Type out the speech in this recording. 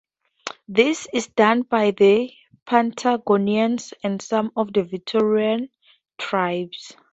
This is done by the Patagonians and some of the Victorian tribes.